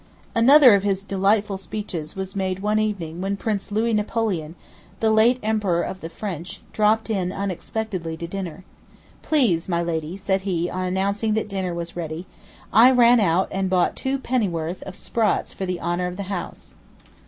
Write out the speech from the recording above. Another of his delightful speeches was made one evening when Prince Louis Napoleon (the late Emperor of the French) dropt in unexpectedly to dinner. 'Please, my lady,' said he, on announcing that dinner was ready, 'I ran out and bought two pen'orth of sprats for the honour of the house.